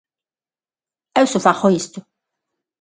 Eu só fago isto.